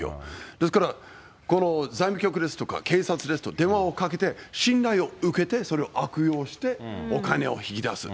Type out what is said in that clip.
ですから、この財務局ですとか、警察ですと、電話をかけて、信頼を受けて、それを悪用して、お金を引き出す。